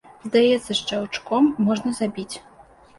Здаецца, шчаўчком можна забіць!